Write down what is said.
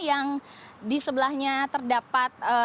yang di sebelahnya terdapat